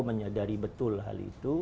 menyadari betul hal itu